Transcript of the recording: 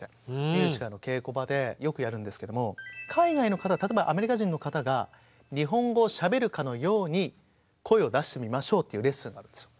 ミュージカルの稽古場でよくやるんですけれども海外の方例えばアメリカ人の方が日本語をしゃべるかのように声を出してみましょうというレッスンがあるんですよ。